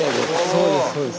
そうですそうです。